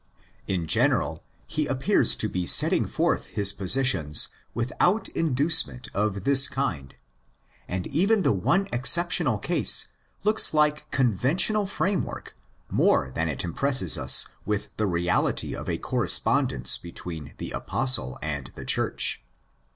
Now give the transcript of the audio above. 1). In general he appears to be setting forth his positions without inducement of this kind ; and even the one exceptional case looks like conventional framework more than it impresses us with the reality of a correspondence between the Apostle and the Church.